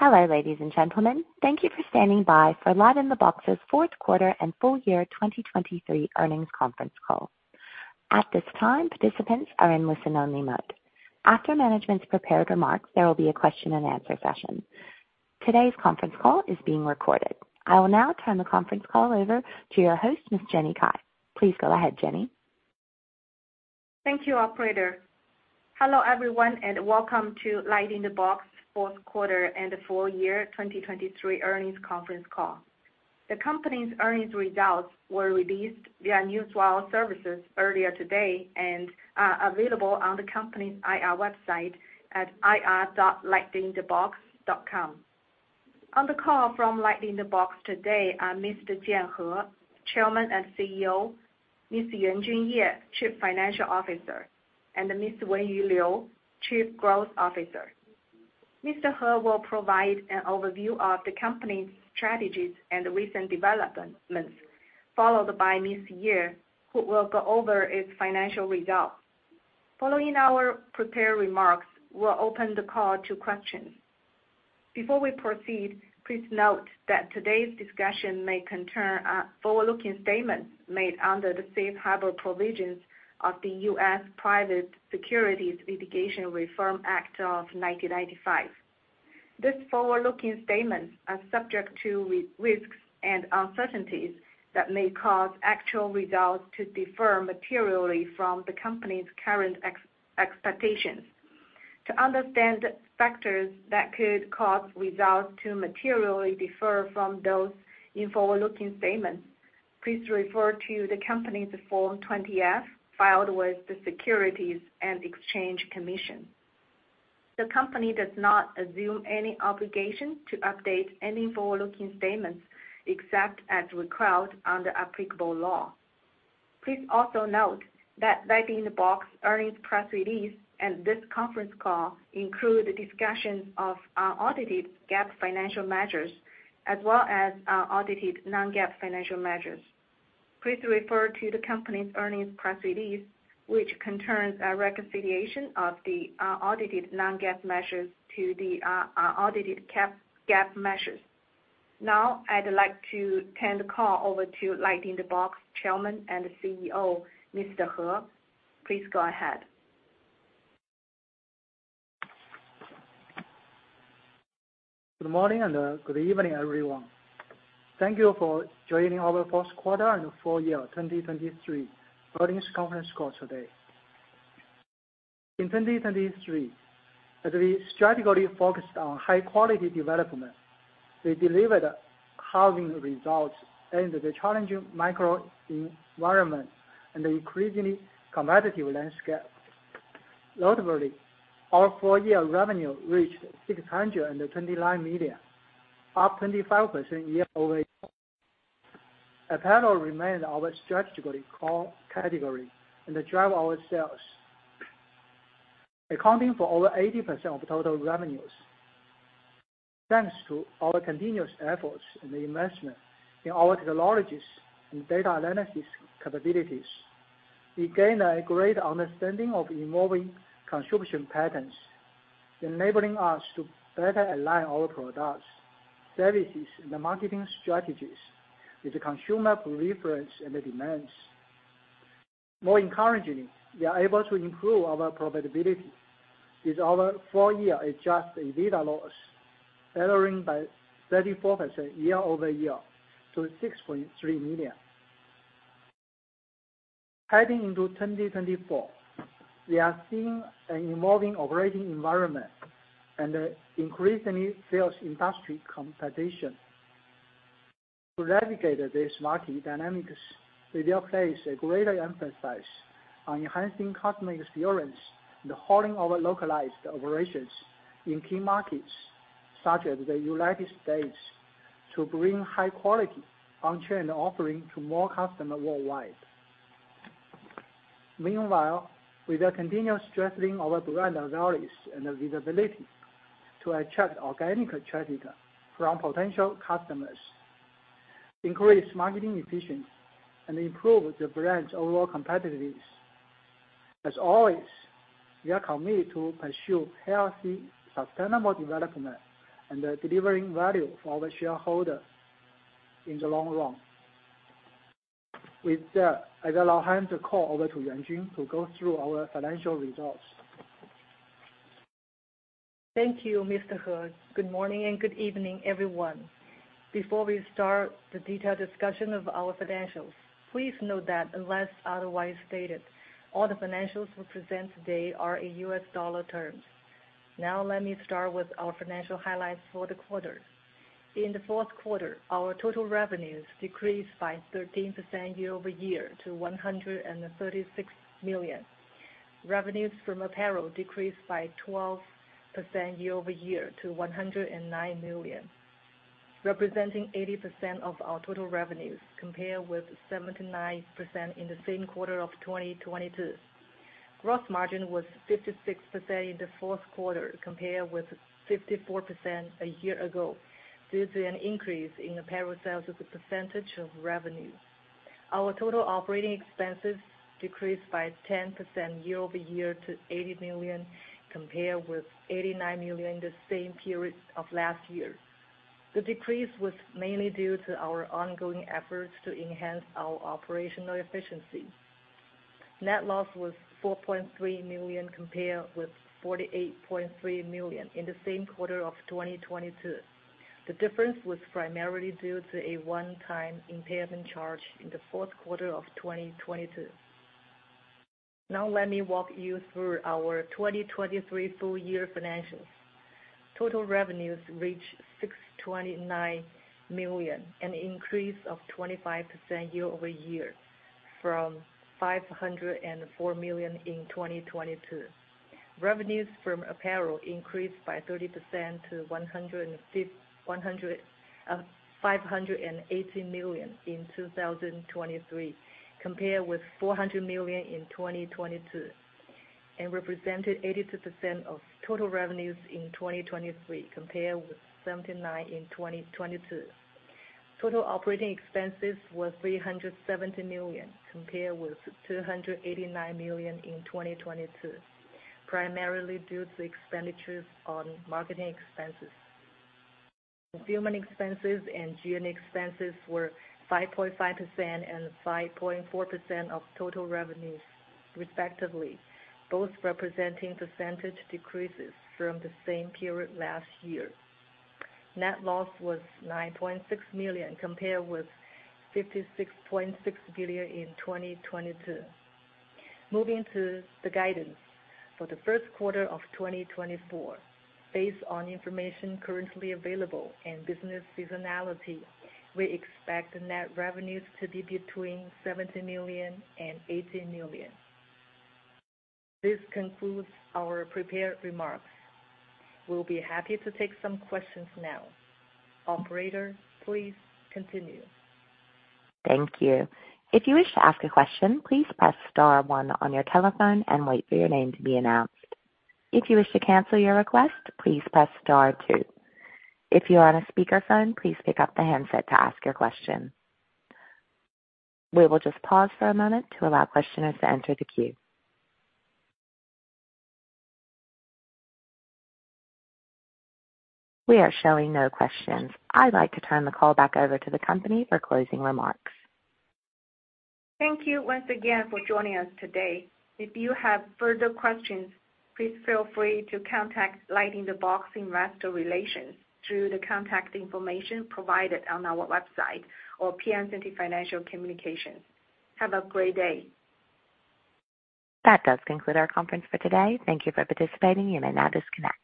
Hello, ladies and gentlemen. Thank you for standing by for LightInTheBox's fourth quarter and full-year 2023 earnings conference call. At this time, participants are in listen-only mode. After management's prepared remarks, there will be a question-and-answer session. Today's conference call is being recorded. I will now turn the conference call over to your host, Ms. Jenny Cai. Please go ahead, Jenny. Thank you, operator. Hello, everyone, and welcome to LightInTheBox's fourth quarter and full-year 2023 earnings conference call. The company's earnings results were released via Newswire Services earlier today and are available on the company's IR website at ir.lightinthebox.com. On the call from LightInTheBox today are Mr. Jian He, Chairman and CEO; Ms. Yuanjun Ye, Chief Financial Officer; and Ms. Wenyu Liu, Chief Growth Officer. Mr. He will provide an overview of the company's strategies and recent developments, followed by Ms. Ye, who will go over its financial results. Following our prepared remarks, we'll open the call to questions. Before we proceed, please note that today's discussion may concern forward-looking statements made under the Safe Harbor Provisions of the U.S. Private Securities Litigation Reform Act of 1995. These forward-looking statements are subject to risks and uncertainties that may cause actual results to differ materially from the company's current expectations. To understand factors that could cause results to materially differ from those in forward-looking statements, please refer to the company's Form 20-F filed with the Securities and Exchange Commission. The company does not assume any obligation to update any forward-looking statements except as required under applicable law. Please also note that LightInTheBox's earnings press release and this conference call include discussions of audited GAAP financial measures as well as audited non-GAAP financial measures. Please refer to the company's earnings press release, which concerns a reconciliation of the audited non-GAAP measures to the audited GAAP measures. Now, I'd like to turn the call over to LightInTheBox Chairman and CEO Mr. Jian He. Please go ahead. Good morning and good evening, everyone. Thank you for joining our fourth quarter and full-year 2023 earnings conference call today. In 2023, as we strategically focused on high-quality development, we delivered solid results in the challenging macroenvironment and the increasingly competitive landscape. Notably, our full-year revenue reached $629 million, up 25% year-over-year. Apparel remained our strategic core category and driving our sales, accounting for over 80% of total revenues. Thanks to our continuous efforts and investment in our technologies and data analysis capabilities, we gained a great understanding of evolving consumption patterns, enabling us to better align our products, services, and marketing strategies with the consumer preference and demands. More encouragingly, we are able to improve our profitability with our full-year Adjusted EBITDA loss, bettering by 34% year-over-year to $6.3 million. Heading into 2024, we are seeing an evolving operating environment and increasingly fierce industry competition. To navigate these market dynamics, we will place a greater emphasis on enhancing customer experience and honing our localized operations in key markets such as the United States to bring high-quality on-chain offering to more customers worldwide. Meanwhile, we will continue strengthening our brand values and visibility to attract organic traffic from potential customers, increase marketing efficiency, and improve the brand's overall competitiveness. As always, we are committed to pursue healthy, sustainable development and delivering value for our shareholders in the long run. With that, I will hand the call over to Yuanjun Ye to go through our financial results. Thank you, Mr. He. Good morning and good evening, everyone. Before we start the detailed discussion of our financials, please note that unless otherwise stated, all the financials we present today are in U.S. dollar terms. Now, let me start with our financial highlights for the quarter. In the fourth quarter, our total revenues decreased by 13% year-over-year to $136 million. Revenues from apparel decreased by 12% year-over-year to $109 million, representing 80% of our total revenues compared with 79% in the same quarter of 2022. Gross margin was 56% in the fourth quarter compared with 54% a year ago due to an increase in apparel sales as a percentage of revenue. Our total operating expenses decreased by 10% year-over-year to $80 million compared with $89 million in the same period of last year. The decrease was mainly due to our ongoing efforts to enhance our operational efficiency. Net loss was $4.3 million compared with $48.3 million in the same quarter of 2022. The difference was primarily due to a one-time impairment charge in the fourth quarter of 2022. Now, let me walk you through our 2023 full-year financials. Total revenues reached $629 million, an increase of 25% year-over-year from $504 million in 2022. Revenues from apparel increased by 30% to $580 million in 2023 compared with $400 million in 2022 and represented 82% of total revenues in 2023 compared with 79% in 2022. Total operating expenses were $370 million compared with $289 million in 2022, primarily due to expenditures on marketing expenses. Consumer expenses and G&A expenses were 5.5% and 5.4% of total revenues, respectively, both representing percentage decreases from the same period last year. Net loss was $9.6 million compared with $56.6 million in 2022. Moving to the guidance for the first quarter of 2024, based on information currently available and business seasonality, we expect net revenues to be between $70 million and $80 million. This concludes our prepared remarks. We'll be happy to take some questions now. Operator, please continue. Thank you. If you wish to ask a question, please press star one on your telephone and wait for your name to be announced. If you wish to cancel your request, please press star two. If you are on a speakerphone, please pick up the handset to ask your question. We will just pause for a moment to allow questioners to enter the queue. We are showing no questions. I'd like to turn the call back over to the company for closing remarks. Thank you once again for joining us today. If you have further questions, please feel free to contact LightInTheBox Investor Relations through the contact information provided on our website or Piacente Financial Communications. Have a great day. That does conclude our conference for today. Thank you for participating. You may now disconnect.